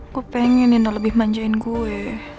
gue pengen nino lebih manjain gue